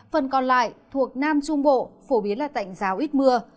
phần còn lại thuộc nam trung bộ phổ biến là tạnh giáo ít mưa